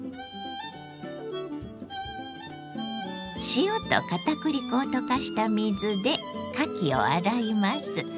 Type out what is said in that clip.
塩と片栗粉を溶かした水でかきを洗います。